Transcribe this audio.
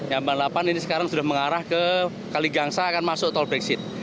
jam delapan ini sekarang sudah mengarah ke kali gangsa akan masuk tol brexit